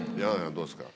どうですか？